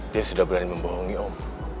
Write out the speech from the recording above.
dia sudah berani membohongi om